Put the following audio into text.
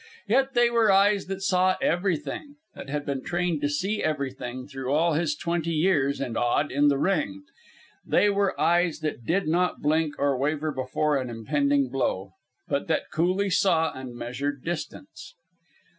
Yet they were eyes that saw everything, that had been trained to see everything through all his twenty years and odd in the ring. They were eyes that did not blink or waver before an impending blow, but that coolly saw and measured distance.